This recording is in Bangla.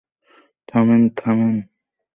থামেন, থামেন।